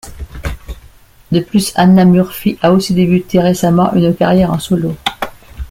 De plus, Anna Murphy a aussi débuté récemment une carrière en solo.